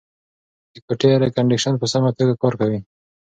د کوټې اېرکنډیشن په سمه توګه کار کوي.